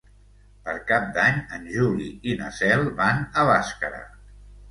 Per Cap d'Any en Juli i na Cel van a Bàscara.